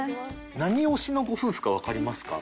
何推しのご夫婦かわかりますか？